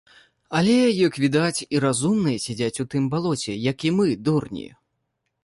Але, як відаць, і разумныя сядзяць у тым балоце, як і мы, дурні!